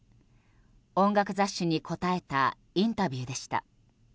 音楽雑誌に答えたインタビューでした。